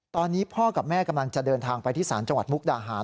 ตอนนี้พ่อกับแม่กำลังจะเดินทางไปที่ศาลจังหวัดมุกดาหาร